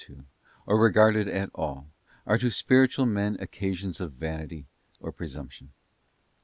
to, or regarded at all, are to spiritual men occasions of vanity or presumption.